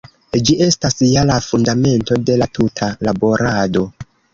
Ĝi estas ja la fundamento de la tuta laborado.